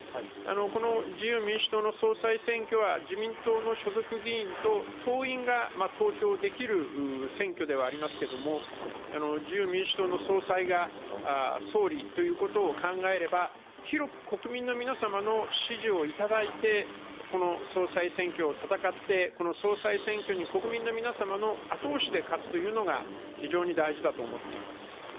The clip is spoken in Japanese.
この自由民主党の総裁選挙は自民党の所属議員と党員が投票できる選挙ではありますけれども自由民主党の総裁が総理ということを考えれば広く国民の皆様の支持をいただいてこの総裁選挙を戦って、この総裁選挙に国民の皆様の後押しで勝つということが非常に大事だと思っております。